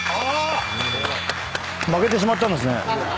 負けてしまったんですね。